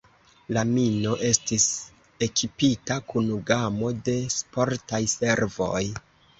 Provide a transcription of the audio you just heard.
La mino estis ekipita kun gamo de sportaj servoj.